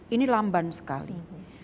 ini lamban sekali